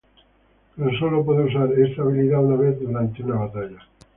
Pero sólo puede usar esta habilidad una vez durante una batalla.